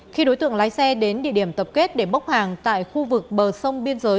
khi đối tượng lái xe đến địa điểm tập kết để bốc hàng tại khu vực bờ sông biên giới